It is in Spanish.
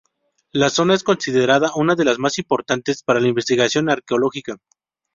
La zona es considerada una de las más importantes para la investigación arqueológica.